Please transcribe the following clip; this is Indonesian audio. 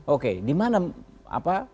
oke dimana apa